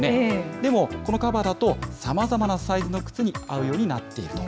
でもこのカバーだと、さまざまなサイズの靴に合うようになっていると。